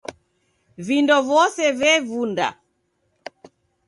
Vindo vose vevunda.